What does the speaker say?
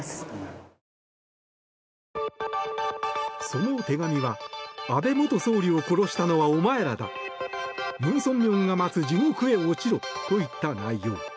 その手紙は安倍元総理を殺したのはお前らだムン・ソンミョンが待つ地獄へ落ちろといった内容。